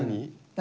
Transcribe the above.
何？